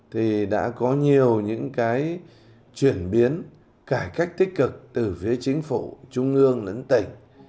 thì đã có nhiều những cái chuyển biến cải cách tích cực từ phía chính phủ trung ương đến tỉnh